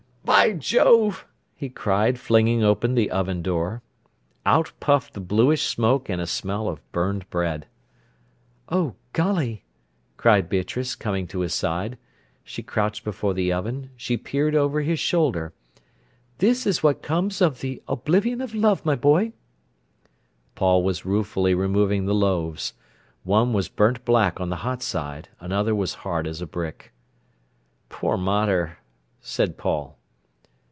"By Jove!" he cried, flinging open the oven door. Out puffed the bluish smoke and a smell of burned bread. "Oh, golly!" cried Beatrice, coming to his side. He crouched before the oven, she peered over his shoulder. "This is what comes of the oblivion of love, my boy." Paul was ruefully removing the loaves. One was burnt black on the hot side; another was hard as a brick. "Poor mater!" said Paul.